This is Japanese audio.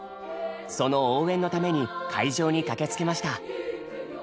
その応援のために会場に駆けつけました。